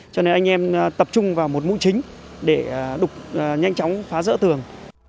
cho nên anh em tập trung vào một mũi chính để đục nhanh chóng phá rỡ tường